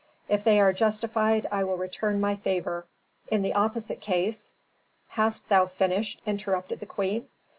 If they are justified I will return my favor; in the opposite case " "Hast thou finished?" interrupted the queen.